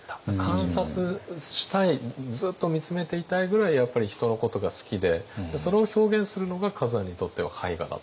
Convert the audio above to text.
観察したいずっと見つめていたいぐらいやっぱり人のことが好きでそれを表現するのが崋山にとっては絵画だった。